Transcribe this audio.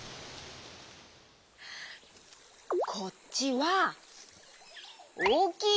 こっちはおおきい！